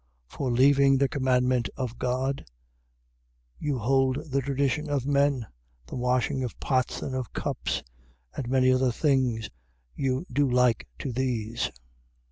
For leaving the commandment of God, you hold the tradition of men, the washing of pots and of cups: and many other things you do like to these.